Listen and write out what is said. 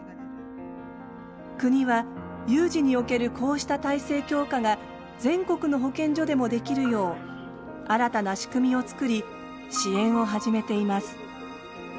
国は有事におけるこうした体制強化が全国の保健所でもできるよう新たな仕組みを作り支援を始めています。